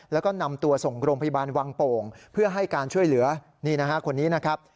แล้วก็นำตัวส่งโรงพยาบาลวังโป่งเพื่อให้การช่วยเหลือนี่นะฮะคนนี้นะครับ